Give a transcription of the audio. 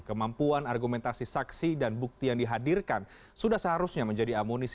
kemampuan argumentasi saksi dan bukti yang dihadirkan sudah seharusnya menjadi amunisi